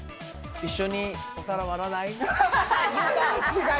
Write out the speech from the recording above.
一緒にお皿割らない？